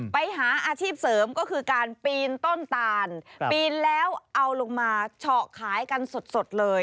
ไปหาอาชีพเสริมก็คือการปีนต้นตาลปีนแล้วเอาลงมาเฉาะขายกันสดเลย